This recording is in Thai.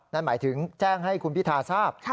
นั่นหมายถึงแจ้งให้คุณพิธาทราบ